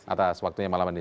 atas waktunya malam ini